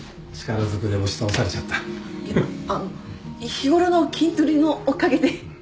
日頃の筋トレのおかげで。